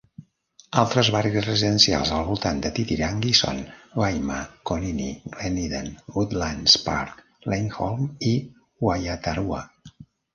Altres barris residencials al voltant de Titirangi són Waima, Konini, Glen Eden, Woodlands Park, Laingholm i Waiatarua.